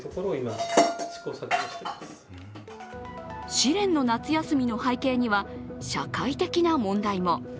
試練の夏休みの背景には社会的な問題も。